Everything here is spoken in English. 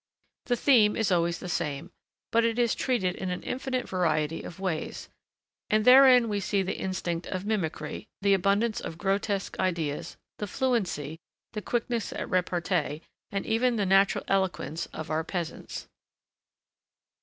The theme is always the same, but it is treated in an infinite variety of ways, and therein we see the instinct of mimicry, the abundance of grotesque ideas, the fluency, the quickness at repartee, and even the natural eloquence of our peasants.